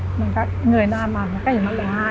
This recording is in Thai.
เหนื่อยหน้ามาก็เห็นมันร้องไห้